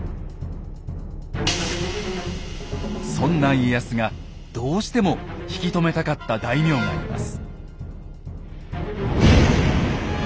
そんな家康がどうしても引き止めたかった大名がいます。